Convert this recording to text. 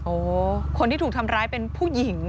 โอ้โหคนที่ถูกทำร้ายเป็นผู้หญิง